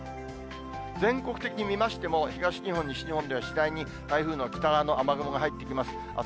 全国的に見ましても、東日本、西日本では次第に台風の北の雨雲が入ってきます。